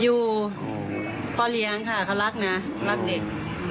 อยู่พ่อเลี้ยงค่ะเขารักนะรักเด็ก